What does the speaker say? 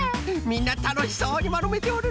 みんなたのしそうにまるめておるのう。